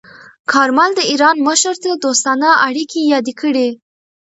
کارمل د ایران مشر ته دوستانه اړیکې یادې کړې.